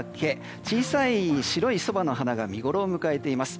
小さい白いソバの花が見ごろを迎えています。